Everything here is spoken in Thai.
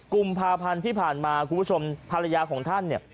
กุมภาพันธ์ที่ผ่านมาคุณผู้ชมภรรยาของท่านเนี่ย